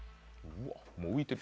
もう浮いてる。